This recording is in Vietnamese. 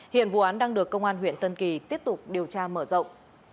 hiện vụ án đang được công an huyện tân kỳ tiếp tục điều tra mở rộng